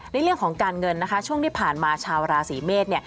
ในเรื่องของการเงินนะคะช่วงที่ผ่านมาชาวราศีเมษเนี่ย